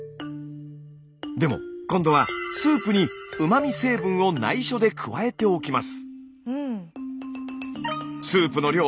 でも今度はスープにうま味成分をないしょで加えておきます。